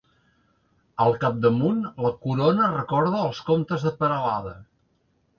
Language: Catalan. Al capdamunt, la corona recorda els comtes de Peralada.